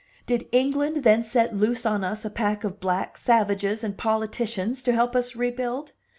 Did England then set loose on us a pack of black savages and politicians to help us rebuild?